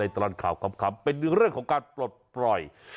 ตลอดข่าวขำเป็นเรื่องของการปลดปล่อย